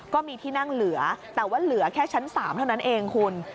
ก็มีที่นั่งเหลือแต่ว่าเหลือแค่ชั้น๓เท่านั้นเองคุณ